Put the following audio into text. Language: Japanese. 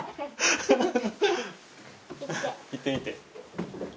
行ってみて。